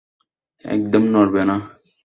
একদম নড়বে না!